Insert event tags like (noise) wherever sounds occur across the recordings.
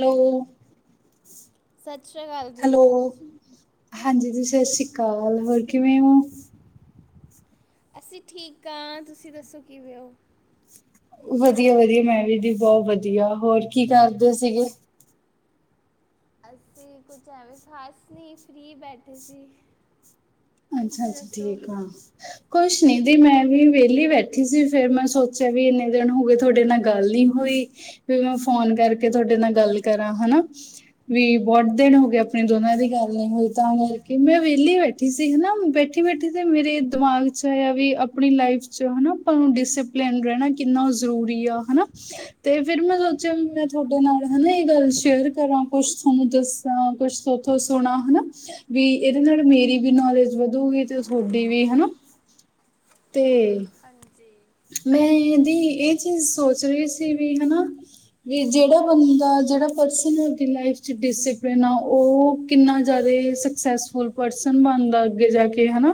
Hello, ਸਤਿ ਸ਼੍ਰੀ ਅਕਾਲ ਜੀ ਹੈਲੋ ਹਾਂਜੀ ਜੀ ਸਸ੍ਰੀ ਅਕਾਲ, ਹੋਰ ਕਿਵੇਂ ਓ? ਅਸੀਂ ਠੀਕ ਆਂ, ਤੁਸੀਂ ਦੱਸੋ ਕਿਵੇਂ ਓ? ਵਧੀਆ- ਵਧੀਆ ਮੈਂ ਵੀ ਠੀਕ ਆ, ਬਹੁਤ ਵਧੀਆ, ਹੋਰ ਕੀ ਕਰਦੇ ਸੀਗੇ। ਅਸੀਂ, ਕੁਛ ਐਵੇਂ ਖਾਸ ਨੀ, ਫ੍ਰਰੀ ਬੈਠੇ ਸੀ। ਅੱਛਾ- ਤੁਸੀਂ ਅੱਛਾ ਦੱਸੋ ਠੀਕ ਆ ਕੁਛ ਨੀ ਦੀ ਮੈਂ ਵੀ ਵਿਹਲੀ ਬੈਠੀ ਸੀ, ਫਿਰ ਮੈਂ ਸੋਚਿਆ ਵੀ ਇੰਨੇ ਦਿਨ ਹੋ ਗਏ ਤੁਹਾਡੇ ਨਾਲ ਗੱਲ ਨੀ ਹੋ ਹੋਈ, ਫਿਰ ਮੈਂ ਫੋਨ ਕਰਕੇ ਤੁਹਾਡੇ ਨਾਲ ਗੱਲ ਕਰਾਂ ਹਨਾ ਵੀ ਬਹੁਤ ਦਿਨ ਹਾਂਜੀ ਹੋ ਗਏ ਆਪਣੇ ਹਾਂਜੀ ਦੋਨਾਂ ਦੀ ਗੱਲ ਨੀ ਹੋਈ, ਤਾਂ ਕਰਕੇ ਮੈਂ ਵਿਹਲੀ ਬੈਠੀ ਸੀ। ਤੇ ਹਨਾ, ਬੈਠੀ-ਬੈਠੀ ਤੇ ਮੇਰੇ ਦਿਮਾਗ 'ਚ ਆਇਆ ਵੀ ਆਪਣੀ ਲਾਈਫ 'ਚ ਹਨਾ ਸਾਨੂੰ ਡਿਸਿਪਲਿਨ ਰਹਿਣਾ ਕਿੰਨਾ ਜ਼ਰੂਰੀ ਆ, ਹਨਾ ਤੇ ਫਿਰ ਮੈਂ ਸੋਚਿਆ ਵੀ ਮੈਂ ਤੁਹਾਡੇ ਨਾਲ, ਹਨਾ ਇਹ ਗੱਲ ਸ਼ੇਅਰ ਕਰਾਂ ਕੁਛ ਤੁਹਾਨੂੰ ਦੱਸ ਤਾਂ ਕੁਛ ਸੁਥੋਂ ਸੁਣਾ ਹਨਾ, ਵੀ ਇਹਦੇ ਨਾਲ ਮੇਰੀ ਵੀ ਨੌਲੇਜ ਵਧੂਗੀ ਤੇ ਤੁਹਾਡੀ ਵੀ ਹਨਾ, ਤੇ ਹਾਂਜੀ। ਮੈਂ ਇਹਦੀ ਇਹ ਚੀਜ਼ ਸੋਚ ਰਹੀ ਸੀ ਵੀ ਹਨਾ। ਵੀ ਜੇੜਾ ਬੰਦਾ ਜੇੜਾ ਪਰਸਨ ਲਾਈਫ 'ਚ ਡਿਸਿਪਲਿਨ ਆ, ਉਹ ਕਿੰਨਾ ਜਿਆਦਾ ਸਕਸੈਸਫੁਲ ਪਰਸਨ ਬਨਦਾ ਅੱਗੇ ਜਾ ਕੇ ਹਨਾ।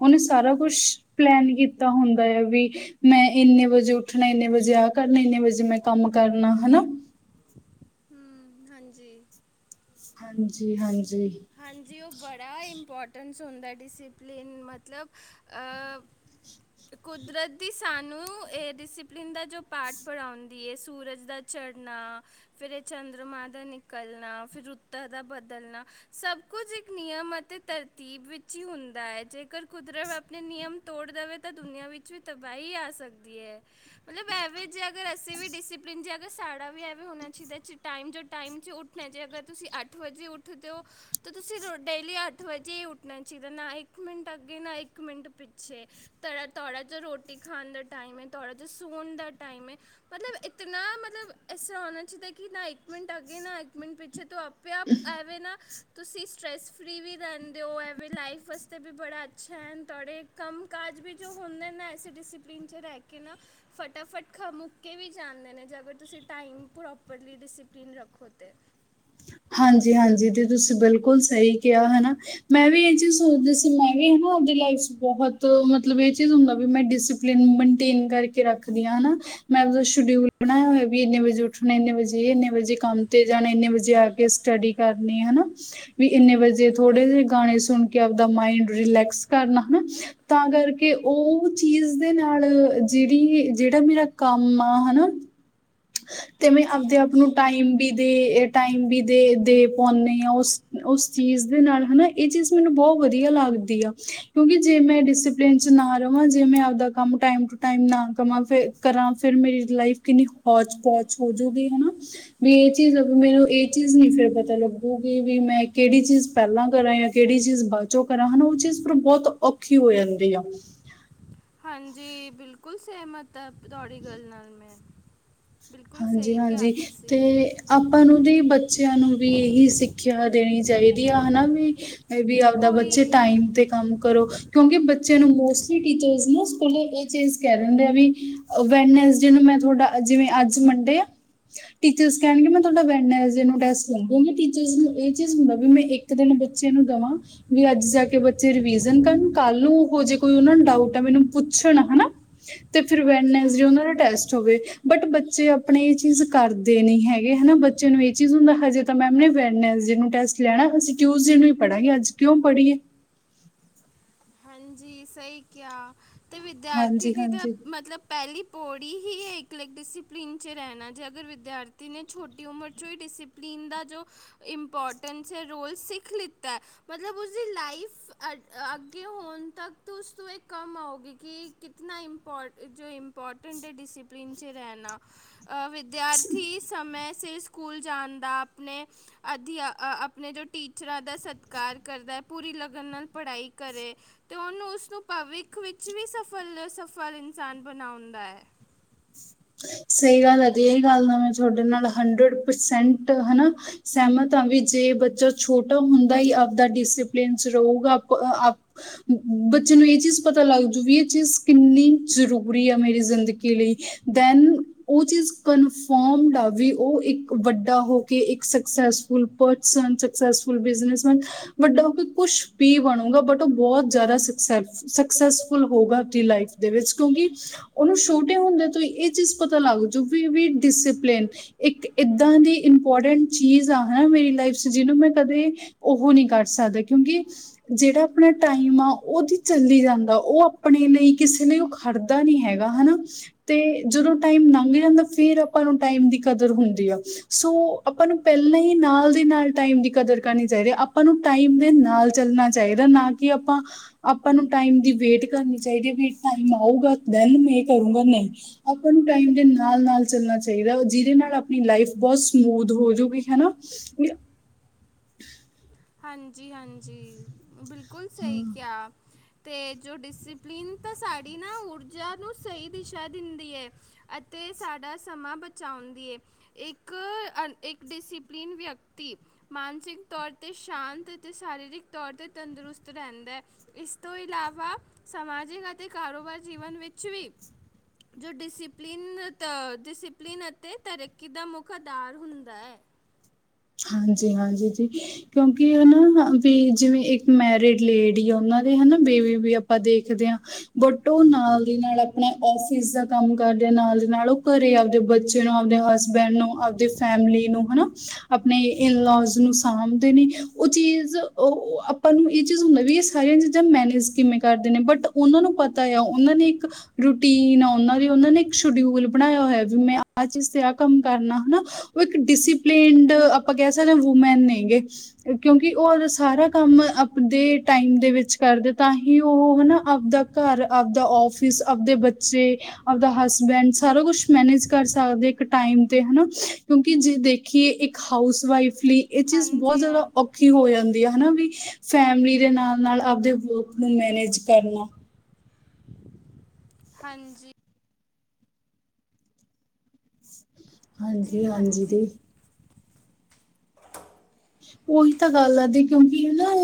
ਉਹਨੇ ਸਾਰਾ ਕੁਛ, ਪਲੈਨ ਕੀਤਾ ਹੁੰਦਾ ਇਹ ਵੀ ਮੈਂ ਇੰਨੇ ਵਜੇ ਉੱਠਣਾ, ਐਨੇ ਵਜੇ ਆਹ ਕਰਨਾ, ਐਨੇ ਵਜੇ ਮੈਂ ਕੰਮ ਕਰਨਾ ਹਨਾ। ਹਮ ਹਾਂਜੀ। ਹਾਂਜੀ-ਹਾਂਜੀ। ਹਾਂਜੀ, ਓ ਬੜਾ ਇੰਮਪੋਟਰਟਸ ਹੁੰਦਾ ਡਿਸਿਪਲਿਨ ਮਤਲਬ, ਆ ਕੁਦਰਤ ਦੀ ਸਾਨੂੰ ਇਹ ਡਿਸਿਪਲਿਨ ਦਾ ਜੋ ਪਾਠ ਪੜ੍ਹਾਉਂਦੀ ਏ, ਸੂਰਜ ਦਾ ਚੜ੍ਹਨਾ, ਫਿਰ ਇਹ ਚੰਦਰਮਾ ਦਾ ਨਿਕਲਣਾ, ਫੇਰ ਰੁੱਤਾਂ ਦਾ ਬਦਲਣਾ। ਸਭ ਕੁਝ ਇੱਕ ਨਿਯਮ ਅਤੇ ਤਰਤੀਬ ਵਿੱਚ ਹੀ ਹੁੰਦਾ ਏ, ਜੇਕਰ ਕੁਦਰਤ ਅਪ ਆਪਣੇ ਨਿਯਮ ਤੋੜ ਦੇਵੇ ਤਾਂ ਦੁਨੀਆਂ ਵਿੱਚ ਵੀ ਤਬਾਹੀ ਆ ਸਕਦੀ ਏ। ਮਤਲਬ ਐਵੇੇ ਅਗਰ ਅਸੀਂ ਵੀ ਡਿਸਿਪਲਿਨ 'ਚ ਸਾਡਾ ਐਵੇ ਹੋਣਾ ਚਾਹੀਦਾ ਟਾਇਮ-ਟਾਇਮ ਉਠ ਉੱਠਣਾ, ਜੇ ਅਗਰ ਤੁਸੀਂ ਅੱਠ ਵਜੇ ਉੱਠਦੇ ਓ ਤਾਂ ਤੁਸੀਂ ਰੋਜ ਡੇਲੀ ਅੱਠ ਵਜੇ ਹੀ ਉੱਠਣਾ ਚਾਹੀਦਾ ਨਾ, ਇੱਕ ਮਿੰਟ ਅੱਗੇ ਨਾ ਇੱਕ ਮਿੰਟ ਪਿੱਛੇ। ਤਾਡਾ ਤਾ ਥੋਹੜਾ ਰੋਟੀ ਖਾਣ ਦਾ ਟਾਈਮ ਏ, ਤਾਡਾ ਤਾ ਥੋਹੜ੍ਹਾ ਸੌਣ ਦਾ ਟਾਈਮ ਏ ਮਤਲਬ ਇਤਨਾ ਮਤਲਬ, ਇਸ ਤਰਾਂ ਹੋਣਾ ਚਾਹੀਦਾ ਕਿ ਨਾ, ਇੱਕ ਮਿੰਟ ਆ ਗਏ ਨਾ, ਇੱਕ ਮਿੰਟ ਪਿੱਛੇ ਤੋਂ ਆਪ ਪਿਆ ਅਪ, ਐਵੇਂ ਨਾ ਤੁਸੀਂ ਸਟਰੈੱਸ ਫ੍ਰੀ ਵੀ ਰਹਿੰਦੇ ਓ, ਐਵੇ ਲਾਈਫ ਵਾਸਤੇ ਵੀ ਬੜਾ ਅੱਛਾ ਐੰ ਤੁਹਾਡੇ ਕੰਮ-ਕਾਜ ਵੀ ਜੋ ਹੁੰਦੇ ਨਾ ਇਸੀ ਡਿਸਪਲਿਨ 'ਚ ਰਹਿ ਕੇ ਨਾ ਫਟਾਫਟ ਖ ਮੁੱਕੇ ਵੀ ਜਾਂਦੇ ਨੇ, ਜੇ ਅਗਰ ਤੁਸੀਂ ਟਾਈਮ ਪ੍ਰੋਪਰਲੀ ਡਿਸਿਪਲਿਨ ਰੱਖੋ ਤੇ। ਹਾਂਜੀ-ਹਾਂਜੀ ਤੇ ਤੁਸੀਂ ਬਿਲਕੁਲ ਸਹੀ ਕਿਆ, ਹਨਾ। ਮੈਂ ਵੀ ਇਹ ਚੀਜ਼ ਸੋਚਦੀ ਸੀ, ਮੈਂ ਵੀ ਹਨਾ ਉਹਦੀ ਲਾਈਫ 'ਚ ਬਹੁਤ, ਮਤਲਬ ਇਹ ਚੀਜ਼ ਹੁੰਦਾ ਵੀ ਮੈਂ ਡਿਸਪ ਡਿਸਿਪਲਿਨ ਮੇਨਟੇਨ ਕਰਕੇ ਰੱਖਦੀ ਆ, ਹਨਾ। ਮੈਂ ਆਪ ਸ਼ਡਿਊਲ ਬਣਾਇਆ ਹੋਇਆ, ਵੀ ਇੰਨੇ ਵਜੇ ਉੱਠਣਾ, ਇੰਨੇ ਵਜੇ ਏ, ਇੰਨੇ ਵਜੇ ਕੰਮ ਤੇ ਜਾਣਾ, ਇੰਨੇ ਵਜੇ ਆ ਕੇ ਸਟੱਡੀ ਕਰਨੀ ਹਨਾ। ਵੀ ਇੰਨੇ ਵਜੇ, ਥੋੜੇ ਜਿਹੇ ਗਾਣੇ ਸੁਣ ਕੇ ਆਪਦਾ ਮਾਇੰਡ ਰਿਲੈਕਸ ਕਰਨਾ ਹਨਾ। ਤਾਂ ਕਰਕੇ ਉਹ ਚੀਜ਼ ਦੇ ਨਾਲ, ਜੇੜੀ, ਜੇੜਾ ਮੇਰਾ ਕੰਮ ਆ ਹਨਾ। (inaudible) ਤੇ ਮੈਂ ਹਾਂਜੀ ਆਪਦੇ ਆਪ ਨੂੰ ਹਾਂਜੀ ਟਾਈਮ ਵੀ ਦੇ, ਏ ਟਾਈਮ ਵੀ ਦੇ -ਦੇ ਪਾਉਂਦੀ ਆ, ਉਸ ਚੀਜ਼ ਦੇ ਨਾਲ ਹਨਾ, ਇਹ ਚੀਜ਼ ਮੈਨੂੰ ਬਹੁਤ ਵਧੀਆ ਲੱਗਦੀ ਆ। ਕਿਉਂਕਿ ਜੇ ਮੈਂ ਡਿਸਪਲਿਨ 'ਚ ਨਾ ਰਵਾਂ, ਜੇ ਮੈਂ ਆਪਦਾ ਕੰਮ ਟਾਈਮ ਟੂ ਟਾਈਮ ਨਾ ਕਮਾਂ, ਫਿਰ ਕਰਾਂ ਫੇਰ ਮੇਰੀ ਲਾਈਫ ਕਿੰਨੀ ਹੋਚੋਚ-ਪਹੋਚ ਹੋਜੂਗੀ ਹਨਾ। ਵੀ ਇਹ ਚੀਜ਼ ਮੈਨੂੰ ਏ ਚੀਜ਼ ਨਹੀ ਫੇਰ ਪਤਾ ਲੱਗੂਗੀ, ਵੀ ਮੈਂ ਕੇੜੀ ਚੀਜ਼ ਪਹਿਲਾਂ ਕਰਾਂ ਜਾਂ ਕੇੜੀ ਚੀਜ਼ ਬਾਚ ਜੋ ਕਰਾਂ ਹਨਾ, ਫਿਰ ਉਹ ਚੀਜ਼ ਬਹੁਤ ਔਖੀ ਹੋ ਜਾਂਦੀ ਆ। ਹਾਂਜੀ, ਬਿਲਕੁਲ ਸਹਿਮਤ ਆਂ, ਤੁਹਾਡੀ ਗੱਲ ਨਾਲ ਮੈਂ। ਬਿਲਕੁਲ ਸਹੀ ਕਿਆ ਹਾਂਜੀ-ਹਾਂਜੀ ਤੇ ਤੁਸੀਂ। ਆਪਾਂ ਨੂੰ ਵੀ, ਬੱਚਿਆਂ ਨੂੰ ਵੀ, ਇਹੀ ਸਿੱਖਿਆ ਦੇਣੀ ਚਾਈਦੀ ਆ, ਹਨਾ ਵੀ ਇਹ ਵੀ ਆਪਦਾ ਬੱਚੇ ਉਹੀ ਟਾਈਮ ਤੇ ਕੰਮ ਕਰੋ, ਕਿਉਂਕਿ ਬੱਚਿਆਂ ਨੂੰ ਮੋਸਟਲੀ ਟੀਚਰਸ ਨਾ ਸਕੂਲੇ ਇਹ ਚੀਜ਼ ਕਹਿ ਦਿੰਦੇ ਆ ਵੀ ਵੈਨਸਡੇ ਨੂੰ ਮੈਂ ਤੁਹਾਡਾ, ਜਿਵੇਂ ਅੱਜ ਮੰਡੇ ਆ ਟੀਚਰ ਕਹਿਣਗੇ, ਮੈਂ ਤੁਹਾਡਾ ਵੈਡਨੈਸਡੇ ਨੂੰ ਟੈਸਟ ਲਵਾਂਗੀ, ਟੀਚਰਸ ਨੂੰ ਇਹ ਚੀਜ਼ ਹੁੰਦਾ ਵੀ ਮੈਂ ਇਕ ਇੱਕ ਦਿਨ ਬੱਚੇ ਨੂੰ ਦਵਾਂ। ਵੀ ਅੱਜ ਜਾ ਕੇ ਬੱਚੇ ਰਿਵੀਜ਼ਨ ਕਰਨ, ਕੱਲ ਨੂੰ ਉਹ ਜੇ ਕੋਈ ਉਹਨਾਂ ਨੂੰ ਡਾਊਟ ਆ ਮੈਨੂੰ ਪੁੱਛਣ, ਹਨਾ। ਤੇ ਫੇਰ ਹਾਂਜੀ ਵਰਨੈਸਡੇ ਹਾਂਜੀ ਉਹਨਾਂ ਦਾ ਟੈਸਟ ਹੋਵੇ, ਬਟ ਬ ਬੱਚੇ ਆਪਣੇ ਇਹ ਚੀਜ਼ ਕਰਦੇ ਨੀ ਹੈਗੇ ਹਨਾ, ਬੱਚੇ ਨੂੰ ਇਹ ਚੀਜ਼ ਹੁੰਦਾ ਹਜੇ, ਤਾਂ ਮੈਮ ਨੇ ਵੇਡਨੈਸਡੇ ਨੂੰ ਟੈਸਟ ਲੈਣਾ ਅਸੀਂ ਟਿਊਜ਼ਡੇ ਨੂੰ ਈ ਪੜਾਂਗੇ ਅੱਜ ਕਿਉਂ ਪੜ੍ਹੀਏ। ਹਾਂਜੀ ਸਹੀ ਕਿਆ ਤੇ ਵਿਦਿਆਰਥੀ ਹਾਂਜੀ ਦੀ ਤਾਂ ਹਾਂਜੀ ਮਤਲਬ ਪਹਿਲੀ ਪੌੜੀ ਹੀ ਇੱਕ ਅਲਗ ਡਿਸਪਲਿਨ 'ਚ ਰਹਿਣਾ ਜੇ ਅਗਰ ਵਿਦਿਆਰਥੀ ਨੇ ਛੋਟੀ ਉਮਰ 'ਚ ਚੋ ਈ ਡਿਸਪਲੀਨ ਦਾ ਜੋ ਇੰਪੋਰਟੇਨਸ ਐ ਰੋਲ ਸਿੱਖ ਲਿੱਤਾ ਐ, ਮਤਲਬ ਉਸਦੀ ਲਾਈਫ ਕਿ ਹੁਣ ਤੱਕ ਤੁ ਤੋਂ ਇਹ ਕੰਮ ਆਉਗੀ ਕਿ, ਕਿਤਨਾ ਇਪੋਟ ਜੋ ਇੰਪੋਰਡੈਟ ਆ ਡਸਿਪਲਨ ਚ ਰਹਿਣਾ ਆ ਵਿਦਿਆਰਥੀ ਸਮੇਂ ਸਿਰ ਸਕੂ ਸਕੂਲ ਜਾਣ ਦਾ ਆਪਣੇ ਅਧਿਆ ਆ ਆਪਣੇ ਜੋ ਟੀਚਰਾਂ ਦਾ ਸਤਿਕਾਰ ਕਰਦਾ ਐ, ਪੂਰੀ ਲਗਨ ਨਾਲ ਪੜ੍ਹਾਈ ਕਰੇ ਤੇ ਉਹਨੂੰ ਉਸਨੂੰ ਭਵਿੱਖ ਵਿੱਚ ਵੀ ਸਫਲ-ਸਫਲ ਇਨਸਾਨ ਬਣਾਉਂਦਾ ਐ। ਸਹੀ ਗੱਲ ਐ ਦੀ ਇਹੀ ਗੱਲ ਨਾ ਮੈਂ ਸੋਡੇ ਨਾਲ ਹੰਡਰਡ ਪਰਸੈਂਟ ਹਨਾ ਸਹਿਮਤ ਆ ਵੀ ਜੇ ਬੱਚਾ ਛੋਟਾ ਹੁੰਦਾ ਈ ਆਪਦਾ ਡਿਸਪਲਿਨ ਚ ਰਹੁਗਾ ਆਪ ਬੱਚੇ ਨੂੰ ਇਹ ਚੀਜ਼ ਪਤਾ ਲੱਗਜੂ ਵੀ ਇਹ ਚੀਜ਼ ਕਿੰਨੀ ਜ਼ਰੂਰੀ ਆ ਮੇਰੀ ਜ਼ਿੰਦਗੀ ਲਈ। ਦੈਨ ਉਹ ਚੀਜ਼ ਕਨਫੋਮਡ ਆ ਵੀ ਉਹ ਇੱਕ ਵੱਡਾ ਹੋਕੇ ਇੱਕ ਸਕਸੈਸ ਫੁਲ ਪਰਸਨ ਸਕਸੈਸਫੁਲ ਬਿਜ਼ਨਸ ਮੈਨ। ਵੱਡਾ ਹੋਕੇ ਕੁਛ ਵੀ ਬਣੂਗਾ ਬਟ ਉਹ ਬਹੁਤ ਜ਼ਿਆਦਾ ਸਕਸੈਸਫੁ ਸਕਸੈਸਫੁਲ ਹੋਊਗਾ ਆਬਦੀ ਲਾਈਫ ਦੇ ਵਿੱਚ ਕਿਉਂਕਿ, ਉਹਨੂੰ ਛੋਟੇ ਹੁੰਦੇ ਤੋਂ ਹੀ ਇਹ ਚੀਜ਼ ਪਤਾ ਲਗਜੂ ਵੀ-ਵੀ ਡਸੀਪਲੀਨ ਇੱਕ ਏਦਾਂ ਦੀ ਇੰਪੋਰਟੈਂਟ ਚੀਜ਼ ਆ, ਹਨਾ ਮੇਰੀ ਲਾਈਫ ਚ ਜਿਹਨੂੰ ਮੈਂ ਕਦੇ ਉਹੋ ਨੀ ਕਰ ਸਕਦਾ ਕਿਉਂਕਿ ਜਿਹੜਾ ਆਪਣਾ ਟਾਈਮ ਆ, ਉਹਦੀ ਚੱਲੀ ਜਾਂਦਾ ਉਹ ਆਪਣੇ ਲਈ ਕਿਸੇ ਲਈ ਖੜਦਾ ਨੀ ਹੈਗਾ, ਤੇ ਜਦੋਂ ਟਾਈਮ ਲੰਘ ਜਾਂਦਾ, ਫੇਰ ਆਪਾਂ ਨੂੰ ਟਾਈਮ ਦੀ ਕਦਰ ਹੁੰਦੀ ਆ। ਸੋ ਆਪਾਂ ਨੂੰ ਪਹਿਲਾਂ ਈ ਨਾਲ ਦੇ ਨਾਲ ਟਾਈਮ ਦੀ ਕਦਰ ਕਰਨੀ ਚਾਹੀਦੀ ਐ ਆਪਾਂ ਨੂੰ ਟਾਈਮ ਦੇ ਨਾਲ ਚੱਲਣਾ ਚਾਹੀਦਾ ਨਾ ਕਿ ਆਪਾਂ ਆਪਾਂ ਨੂੰ ਟਾਈਮ ਦੀ ਵੇਟ ਕਰਨੀ ਚਾਹੀਦੀ ਐ ਵੀ ਟਾਈਮ ਆਊਗਾ ਦੈਨ ਮੈਂ ਕਰੂੰਗਾ ਨਈ। ਆਪਾਂ ਨੂੰ ਟਾਈਮ ਦੇ ਨਾਲ-ਨਾਲ ਚੱਲਣਾ ਚਾਹੀਦਾ ਜਿਹਦੇ ਨਾਲ ਆਪਣੀ ਲਾਈਫ ਬਹੁਤ ਸਮੂਥ ਹੋਜੂਗੀ ਹਨਾ। (inaudible) ਹਾਂਜੀ-ਹਾਂਜੀ ਬਿਲਕੁਲ ਸਈ ਹਾਂ ਕਿਆ ਤੇ ਜੋ ਡਿਸਪਲਿਨ ਤਾਂ ਸਾਡੀ ਨਾ ਊਰਜਾ ਨੂੰ ਦਿੰਦੀ ਐ। ਅਤੇ ਸਾਡਾ ਸਮਾਂ ਬਚਾਓਦੀ ਐ। ਇੱਕ ਆ ਇੱਕ ਡਿਸਪਲੀਨ ਵਿਅਕਤੀ ਮਾਨਸਿਕ ਤੌਰ ਤੇ ਸ਼ਾਂਤ ਤੇ ਸਰੀਰਿਕ ਤੌਰ 'ਤੇ ਤੰਦਰੁਸਤ ਰਹਿੰਦਾ। ਇਸ ਇਲਾਵਾ ਸਮਾਜਿਕ ਅਤੇ ਕਾਰੋਬਾਰ ਜੀਵਨ ਵਿੱਚ ਵੀ ਜੋ ਡਿਸਪਲਿਨ ਤ ਡਿਸਪਲਿਨ ਅਤੇ ਤਰੱਕੀ ਦਾ ਮੁੱਖ ਆਧਾਰ ਹੁੰਦਾ ਹੈ। ਹਾਂਜੀ-ਹਾਂਜੀ ਜੀ। ਕਿਉਂਕਿ ਹਨਾ ਵੀ ਜਿਵੇਂ ਇੱਕ ਮੈਰਿਡ ਲੇਡੀ ਆ ਉਹਨਾਂ ਦੇ ਹਨਾ ਬੇਬੀ ਵੀ ਆਪਾਂ ਦੇਖਦੇ ਆ ਬਟ ਉਹ ਨਾਲ ਦੀ ਨਾਲ ਆਪਣਾ ਔਫਿਸ ਦਾ ਕੰਮ ਕਰਦੇ ਨਾਲ ਦੀ ਨਾਲ ਉਹ ਘਰੇ ਆਪਦੇ ਬੱਚੇ ਨੂੰ ਆਪਦੇ ਹਸ ਬੈਡ ਨੂੰ ਆਪਦੀ ਫੈਮਿਲੀ ਨੂੰ ਹਨਾ ਆਪਣੇ ਇਨਲੌਸ ਨੂੰ ਸਾਂਭਦੇ ਨੇ ਉਹ ਚੀਜ਼ ਆਪਾਂ ਨੂੰ ਇਹ ਚੀਜ਼ ਹੁੰਦਾ ਵੀ ਸਾਰੀਆਂ ਚੀਜ਼ਾਂ ਮੈਨੇਜ ਕਿਵੇਂ ਕਰਦੇ ਨੇ ਬਟ ਉਹਨਾਂ ਨੂੰ ਪਤਾ ਆ ਉਹਨਾਂ ਨੇ ਇੱਕ ਰੂਟੀਨ ਆ ਦੇ ਉਹਨਾਂ ਨੇ ਇੱਕ ਸ਼ਡਿਊਲ ਬਣਾਇਆ ਹੋਇਆ ਵੀ ਮੈਂ ਆਹ ਚੀਜ਼ ਤੇ ਆਹ ਕੰਮ ਕਰਨਾ ਹਨਾ ਉਹ ਇੱਕ ਡਿਸਿਪਲੇਨਡ ਆਪਾਂ ਕਹਿ ਸਕਦੇ ਆ ਵੂਮੈਨ ਨੇਗੇ। ਕਿਉਂਕਿ ਉਹ ਸਾਰਾ ਕੰਮ ਆਪਦੇ ਟਾਈਮ ਦੇ ਵਿੱਚ ਕਰਦੇ ਤਾਂ ਹੀ ਉਹ ਹਨਾ ਆਪਦਾ ਘਰ ਆਬਦਾ ਔਫਿਸ ਆਬਦੇ ਬੱਚੇ ਆਪਦਾ ਹਸਬੈਂਡ ਸਾਰਾ ਕੁਛ ਮੈਨੇਜ ਕਰ ਸਕਦੇ ਇੱਕ ਟਾਈਮ ਤੇ ਹਨਾ ਕਿਉਂਕਿ ਜੇ ਦੇਖੀਏ ਇੱਕ ਹਾਊਸ ਵਾਈਫ ਲਈ ਇਹ ਚਿਜ ਬਹੁਤ ਹਾਂਜੀ ਜ਼ਿਆਦਾ ਹਾਂ ਔ ਔਖੀ ਹੋ ਜਾਂਦੀ ਆ, ਹਨਾ ਵੀ ਫੈਮਲੀ ਦੇ ਨਾਲ-ਨਾਲ ਆਪਦੇ ਵੋਕ ਨੂੰ ਮੈਨੇਜ ਕਰਨਾ। ਹਾਂਜੀ। ਹਾਂਜੀ- ਹਾਂਜੀ ਦੀ। ਉਹੀ ਤਾਂ ਗੱਲ ਆ ਦੀ, ਕਿਉਂਕਿ ਨਾ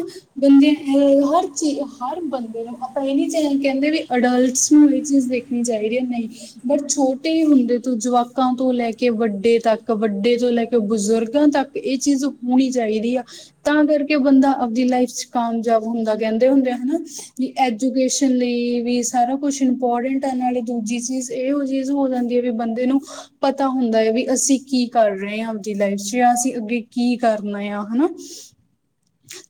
ਬੰਦੇ ਨੂੰ ਹਰ ਚੀਜ਼ ਹਰ ਬੰਦੇ ਨੂੰ, ਆਪਾਂ ਇਹਨੀ ਚ ਕਹਿੰਦੇ ਵੀ, ਅਡਲਟਸ ਨੂੰ ਇਹ ਚੀਜ਼ ਦੇਖ ਣੀ ਚਾਹੀਦੀ ਹੈ, ਨਹੀਂ। ਬਟ ਛੋਟੇ ਹੁੰਦੇ ਤੋਂ ਜਵਾਕਾਂ ਤੋਂ ਲੈ ਕੇ ਵੱਡੇ ਤੱਕ, ਵੱਡੇ ਤੋਂ ਲੈ ਕੇ ਬਜ਼ੁਰਗਾਂ ਤੱਕ ਇਹ ਚੀਜ਼ ਹੋਣੀ ਚਾਹੀਦੀ ਆ। ਤਾਂ ਕਰਕੇ ਬੰਦਾ ਆਪਦੀ ਲਾਈਫ 'ਚ ਕਾਮਯਾਬ ਹੁੰਦਾ, ਕਹਿੰਦੇ ਹੁੰਦੇ ਹਨਾ। ਵੀ ਐਜੂਕੇਸ਼ਨ ਲਈ ਵੀ, ਸਾਰਾ ਕੁਛ ਇੰਪੋਰਟੈਂਟ ਆ ਨਾਲੇ ਦੂਜੀ ਚੀਜ਼ ਇਹੋ ਚੀਜ਼ ਹੋ ਜਾਂਦੀ ਹੈ, ਵੀ ਬੰਦੇ ਨੂੰ ਪਤਾ ਹੁੰਦਾ ਹੈ ਵੀ ਅਸੀਂ ਕੀ ਕਰ ਰਹੇ ਹਾਂ, ਆਪਦੀ ਲਾਈਫ 'ਚ ਜਾਂ ਅਸੀਂ ਅੱਗੇ ਕੀ ਕਰਨਾ ਆ ਹਨਾ,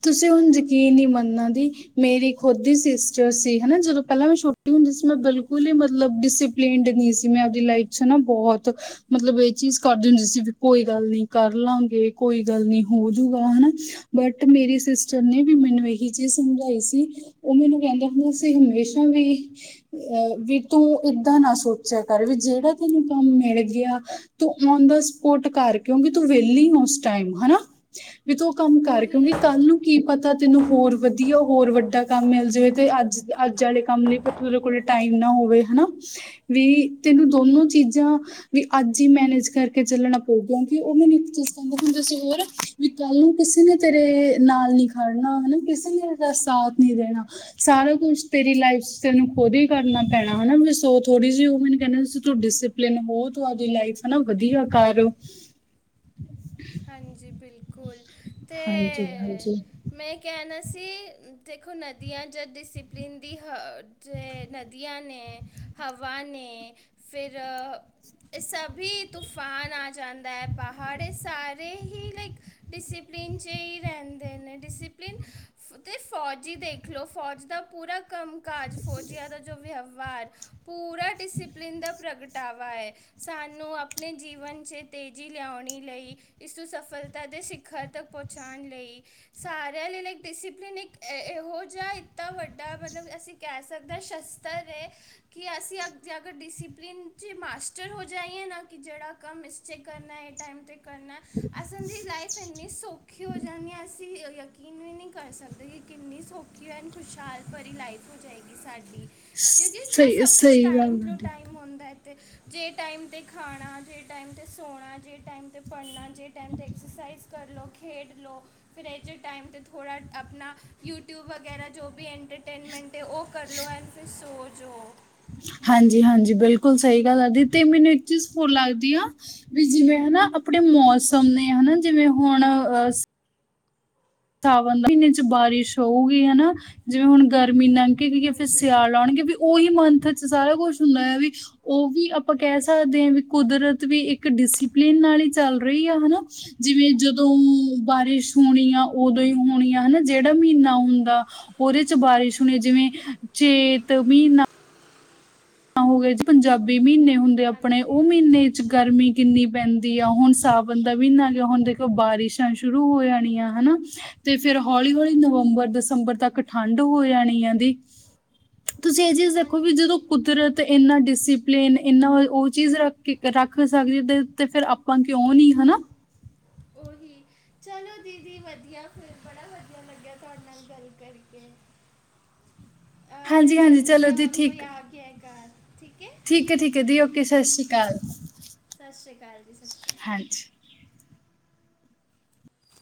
ਤੁਸੀਂ ਹੁਣ ਯਕੀਨ ਹਾਂਜੀ ਨਹੀਂ ਮੰਨਣਾ ਦੀ ਮੇਰੀ ਖੁਦ ਹੀ ਸਿਸਟਰ ਸੀ ਹਨਾ, ਜਦੋਂ ਪਹਿਲਾਂ ਮੈਂ ਛੋਟੀ ਹੁੰਦੀ ਸੀ ਮੈਂ ਬਿਲਕੁਲ ਹੀ ਮਤਲਬ ਡਿਸਪ ਪਲੀਡ ਨੀ ਸੀ ਮੈਂ ਆਪਦੀ ਲਾਈਫ 'ਚ ਹਨਾ ਬਹੁਤ ਮਤਲਬ ਇਹ ਚੀਜ਼ ਕਰਦੇ ਹੁੰਦੀ ਸੀ, ਕੋਈ ਗੱਲ ਨਹੀਂ ਕਰਲਾਂਗੇ ਕੋਈ ਗੱਲ ਨੀ ਹੋਜੂਗਾ ਹਨਾ। ਬਟ ਮੇਰੀ ਸਿਸਟਰ ਨੇ ਵੀ ਮੈਨੂੰ, ਇਹੀ ਚੀਜ਼ ਸਮਝਾਈ ਸੀ। ਉਹ ਮੈਨੂੰ ਕਹਿੰਦੇ ਹੁੰਦੇ ਸੀਂ, ਹਮੇਸ਼ਾ ਵੀ ਅਹ ਵੀ ਤੂੰ ਏਦਾਂ ਨਾ ਸੋਚਿਆ ਕਰ, ਵੀ ਜਿਹੜਾ ਤੈਨੂੰ ਕੰਮ ਮਿਲ ਗਿਆ ਤੂੰ ਓਨ ਦਾ ਸਪੋਟ ਕਰ, ਕਿਉਂਕਿ ਤੂੰ ਵਿਹਲੀ ਉਸ ਟਾਈਮ ਹਨਾ, ਵੀ ਤੂੰ ਕੰਮ ਕਰ ਉਹੀ ਕਿਉਂਕਿ ਕੱਲ ਨੂੰ ਕੀ ਪਤਾ ਤੈਨੂੰ ਹੋਰ ਵਧੀਆ ਹੋਰ ਵੱਡਾ ਕੰਮ ਮਿਲ ਜਾਵੇ, ਤੇ ਅੱਜ ਅੱਜ ਵਾਲੇ ਕੰਮ ਲਈ ਵੀ ਉਹਦੇ ਕੋਲ ਟਾਈਮ ਨਾ ਹੋਵੇ, ਹਨਾ ਵੀ ਤੈਨੂੰ ਦੋਨੋ ਚੀਜ਼ਾਂ ਵੀ ਅਜ ਈ ਮੈਨੇਜ ਕਰਕੇ ਚੱਲਣਾ ਪਉ, ਕਿੳਕਿ ਉਹਨੂੰ ਇੱਕ ਚੀਜ਼ ਕਹਿਣਦੇ ਹੁਣ ਦੇ ਸੀ ਹੋਰ, ਵੀ ਕੱਲ ਨੂੰ ਕਿਸੇ ਨੇ ਤੇਰੇ ਨਾਲ ਨੀ ਖੜਨਾ, ਹਨਾ ਕਿਸੇ ਨੇ ਤੇਰਾ ਸਾਥ ਨਹੀਂ ਦੇਣਾ। ਸਾਰਾ ਕੁਛ ਤੇਰੀ ਲਾਈਫ ਤੈਨੂੰ ਖੁਦ ਹੀ ਕਰਨਾ ਪੈਣਾ, ਹਨਾ ਸੋ ਥੋੜੀ ਜਿਹੀ ੳਹ ਮੈਨੂੰ ਕਹਿੰਦੇ ਹੁੰਦੇ ਸੀ ਤੁਹਾਡੇ ਸੀ ਬਹੁਤ ਆਪਦੀ ਲਾਈਫ ਹਨਾ ਵਧੀਆ ਕਰ ਹਾਂਜੀ ਬਿਲਕੁਲ। ਹਾਂਜੀ- ਤੇ ਹਾਂਜੀ। ਮੈਂ ਕਹਿਣਾ ਸੀ ਦੇਖੋ, ਨਦੀਆਂ ਜਾਂ ਡਿਸਿਪਲਿਨ ਦੀ ਹ 'ਚ ਨਦੀਆਂ ਨੇ, ਹਵਾ ਨੇ ਫਿਰ ਇਹ ਸਭੀ ਤੂਫਾਨ ਆ ਜਾਂਦਾ ਐ, ਪਹਾੜ ਸਾਰੇ ਹੀ ਲਾਈਕ, ਡਿਸਪਲਿਨ 'ਚ ਹੀ ਰਹਿੰਦੇ ਨੇ, ਡਿਸਪਲਿਨ ਤੇ ਫੌਜੀ ਦੇਖਲੋ, ਫੌਜ ਦਾ ਪੂਰਾ ਕੰਮ- ਕਾਜ ਫੌਜੀਆਂ ਦਾ ਜੋ ਵਿਵਹਾਰ ਪੂਰਾ ਡਿਸਪਲਿਨ ਦਾ ਪ੍ਰਗਟਾਵਾ ਐ। ਸਾਨੂੰ ਆਪਣੇ ਜੀਵਨ 'ਚ, ਤੇਜ਼ੀ ਲਿਉਣੀ ਲਈ ਇਸ ਸਫਲਤਾ, ਦੇ ਸਿਖਰ ਤੱਕ ਪਹੁੰਚਾਉਣ ਲਈ ਸਾਰਿਆਂ ਲਈ ਲਾਈਕ, ਡਿਸਿਪਲਿਨ ਇੱਕ ਇਹੋ ਜਿਹਾ ਇੱਦਾਂ ਵੱਡਾ ਮਤਲਬ ਅਸੀਂ ਕਹਿ ਸਕਦੇ ਆ, ਸ਼ਸਤਰ ਐ। ਕਿ ਅਸੀਂ ਅਗਰ ਡਿਸਿਪਲਿਨ 'ਚ ਮਾਸਟਰ ਹੋ ਜਾਈਏ ਨਾ, ਕਿ ਜਿਹੜਾ ਕਮ ਮਿਸਟੇਕ ਕਰਨਾ, ਇਹ ਟਾਈਮ 'ਤੇ ਕਰਨਾ ਅਸਾਂ ਦੀ ਲਾਈਫ ਇੰਨੀ ਸੌਖੀ ਹੋ ਜਾਣੀ ਹੈ, ਅਸੀਂ ਯਕੀਨ ਵੀ ਨਹੀਂ ਕਰ ਸਕਦੇ ਕਿ ਕਿੰਨੀ ਸੌਖੀ ਕਿ ਇੰਨੀ ਖੁਸ਼ਹਾਲ ਭਰੀ ਲਾਈਫ ਜਾਏਗੀ, ਸਾਡੀ। ਕਿਉਂਕਿ ਜੋ ਸਹੀ ਸਭ ਕੁਛ, ਸਹੀ ਟਾਈਮ- ਗੱਲ ਆ ਟੂ ਦੀ ਟਾਈਮ ਹੁੰਦਾ ਐ ਤੇ, ਜੇ ਟਾਈਮ ਤੇ ਖਾਣਾ ਜੇ, ਟਾਈਮ ਤੇ ਸੋਣਾ ਜੇ ਟਾਈਮ ਤੇ ਪੜ੍ਹਨਾ ਜੇ ਟਾਈਮ 'ਤੇ ਐਕਸਰਸਾਈਜ਼ ਕਰ ਲਉ, ਖੇਡ ਲਉ ਫਿਰ ਇਹਜੇ ਟਾਈਮ 'ਤੇ ਥੋੜ੍ਹਾ, ਆਪਣਾ। ਯੂਟਿਊਬ ਵਗੈਰਾ ਜੋ ਵੀ ਐਂਟਰਟੇਨਮੈਂਟ ਹੈ ਉਹ ਕਰ ਲਓ, ਐਂਡ ਫਿਰ ਸੌ ਜੋ। ਹਾਂਜੀ ਹਾਂਜੀ ਬਿਲਕੁਲ ਸਹੀ ਗੱਲ ਲੱਗਦੀ ਆ ਦੀ ਤੇ ਮੈਨੂੰ ਇੱਕ ਚੀਜ਼ ਫੁਲ ਲੱਗਦੀ ਆ ਵੀ ਜਿਵੇਂ ਹਨਾ ਆਪਣੇ ਮੌਸਮ ਨੇ ਹਨਾ ਜਿਵੇਂ ਹੁਣ ਅ ਸਾਵਨ ਦੇ ਮਹੀਨੇ ਚ ਬਾਰਿਸ਼ ਹੋਊਗੀ ਹਨਾ ਜਿਵੇਂ ਹੁਣ ਗਰਮੀ ਲੰਘ ਏ ਫਿਰ ਹਾਂਜੀ ਸਿਆਲ ਲਾਉਣਗੇ ਵੀ ਉਹੀ ਮੰਥ ਚ ਸਾਰਾ ਕੁੱਛ ਹੁੰਦਾ ਆ ਵੀ ਉਹ ਵੀ ਆਪਾਂ ਕਹਿ ਸਕਦੇ ਹਾਂ ਵੀ ਕੁਦਰਤ ਵੀ ਇੱਕ ਡਿਸਿਪਲਿਨ ਨਾਲ ਹੀ ਚੱਲ ਰਹੀ ਆ ਹਨਾ। ਜਿਵੇਂ ਜਦੋਂ ਬਾਰਿਸ਼ ਹੋਣੀ ਆ। ਉਦੋਂ ਹੀ ਹੋਣੀ ਆ ਹਨਾ ਜਿਹੜਾ ਮਹੀਨਾ ਹੁੰਦਾ ਉਹਦੇ 'ਚ ਬਾਰਿਸ਼ ਹੋਣੀ ਜਿਵੇਂ ਚੇਤ ਮਹੀਨਾ। ਹੋ ਗਏ ਜ ਪੰਜਾਬੀ ਮਹੀਨੇ ਹੁੰਦੇ ਆਪਣੇ ਹਾਂਜੀ ਉਹ ਹਾਂਜੀ ਮਹੀਨੇ ਚ ਗਰਮੀ ਕਿੰਨੀ ਪੈਂਦੀ ਆ ਹੁਣ ਸਾਵਣ ਦਾ ਮਹੀਨਾ ਜੋ ਹੁਣ ਦੇਖੋ ਬਾਰਿਸ਼ਾਂ ਸ਼ੁਰੂ ਹੋ ਜਾਣੀਆਂ ਹਨਾ। ਤੇ ਫਿਰ ਹੌਲੀ ਹੌਲੀ ਹਾਂਜੀ ਨਵੰਬਰ ਦਸੰਬਰ ਤੱਕ ਠੰਢ ਹੋ ਜਾਣੀ ਆ ਦੀ। ਤੁਸੀਂ ਇਹ ਚੀਜ਼ ਦੇਖੋ ਵੀ ਹਾਂਜੀ ਜਦੋ ਕੁਦਰਤ ਇੰਨਾ ਡਿਸਪਲਨ ਇੰਨਾ ਉਹ ਚੀਜ ਰੱਖਕੇ ਰੱਖ ਸਕਦੀ ਤੇ ਫਿਰ ਆਪ ਆਪਾ ਕਿਉ ਨੀ ਹਨਾ। ਓਹੀ, ਚਲੋ ਦੀਦੀ ਵਧੀਆ ਫਿਰ ਬੜਾ ਵਧੀਆ ਲੱਗਿਆ ਤੁਹਾਡੇ ਨਾਲ ਗੱਲ ਕਰਕੇ, ਅਹ ਮੈਂ ਹਾਂਜੀ ਹਾਂਜੀ ਚੱਲਦੀ ਚਲੋ ਹਾਂ ਜੀ ਹੁਣ ਕੋਈ ਠੀਕ ਆ ਗਿਆ। ਗਿਆ ਘਰ ਠੀਕ ਐ। ਠੀਕ ਹੈ ਠੀਕ ਹੈ ਦੀ ਓਕੇ ਸਾਸਰੀ ਕਾਲ। ਸਤਿ ਸ੍ਰੀ ਅਕਾਲ ਜੀ ਸਤਿ ਸ਼੍ਰੀ ਅਕਾਲ ਹਾਂਜੀ